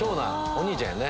お兄ちゃんやね。